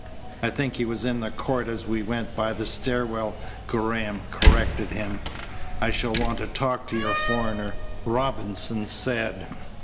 "I think he was in the court as we went by the stair well," Graham corrected him. "I shall want to talk to your foreigner," Robinson said.